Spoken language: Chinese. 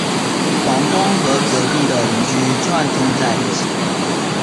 房东和隔壁的邻居串通在一起